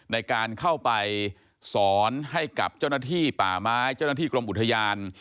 ในการเข้าไปสอนให้กับเจ้าหน้าที่ป่าไม้เจ้าหน้าที่กรมอุทยาน